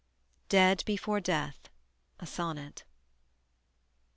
DEAD BEFORE DEATH. SONNET.